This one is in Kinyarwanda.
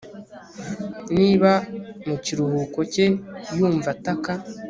niba, mu kiruhuko cye, yumva ataka